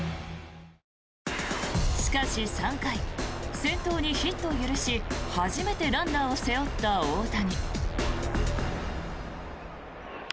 しかし、３回先頭にヒットを許し初めてランナーを背負った大谷。